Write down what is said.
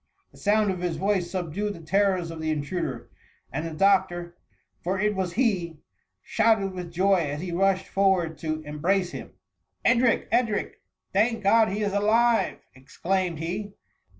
The sound of his voice subdued the terrors of the intruder, and the doctor, for it was he, shouted with joy, as he rushed forward to eni brace him. "Edric! Edric! thank God he is alive P' exclaimed he.